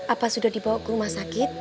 apa sudah dibawa ke rumah sakit